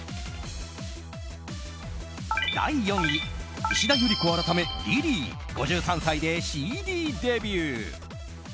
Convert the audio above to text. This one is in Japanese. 第４位、石田ゆり子改めｌｉｌｙ、５３歳でＣＤデビュー。